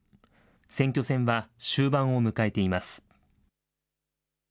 選挙戦は終盤を迎えています。